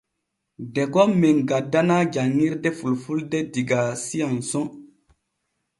Degon men gaddanaa janŋirde fulfulde diga S'ANSON.